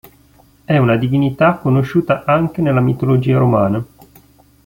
È una divinità conosciuta anche nella mitologia romana.